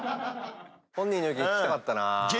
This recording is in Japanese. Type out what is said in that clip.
本人の意見聞きたかったな。